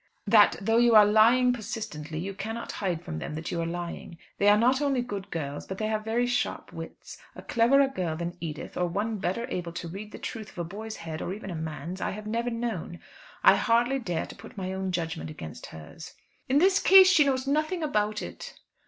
"That though you are lying persistently, you cannot hide from them that you are lying. They are not only good girls, but they have very sharp wits. A cleverer girl than Edith, or one better able to read the truth of a boy's head, or even a man's, I have never known. I hardly dare to put my own judgment against hers." "In this case she knows nothing about it."